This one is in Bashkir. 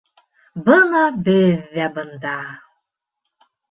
— Бына беҙ ҙә бында!